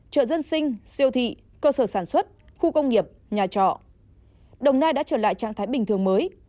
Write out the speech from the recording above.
chợ dân sinh siêu thị cơ sở sản xuất khu công nghiệp nhà trọ đồng nai đã trở lại trạng thái bình thường mới